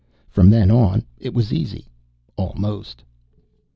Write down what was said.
From then on, it was easy almost.